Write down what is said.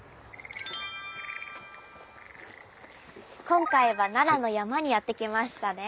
今回は奈良の山にやって来ましたね。